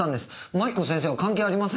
槙子先生は関係ありません。